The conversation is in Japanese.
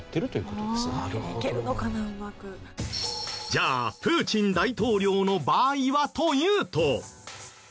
じゃあプーチン大統領の場合はというと。